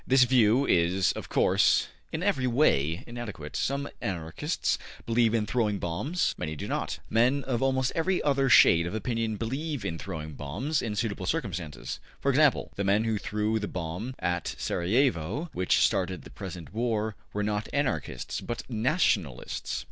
This view is, of course, in every way inadequate. Some Anarchists believe in throwing bombs; many do not. Men of almost every other shade of opinion believe in throwing bombs in suitable circumstances: for example, the men who threw the bomb at Sarajevo which started the present war were not Anarchists, but Nationalists.